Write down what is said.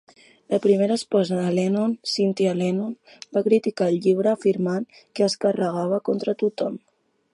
La primera esposa de Lennon, Cynthia Lennon, va criticar el llibre afirmant que es carregava contra tothom.